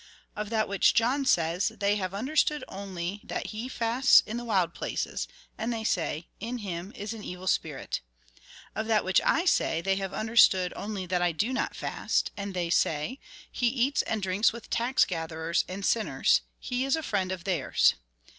Of that which John says, they have understood only that he fasts in the wild places, and they say :' In him is an evil spirit.' Of that which I say, they have understood only that I do not fast, and they say :' He eats and drinks with tax gatherers and sinners — he is a friend of theus.'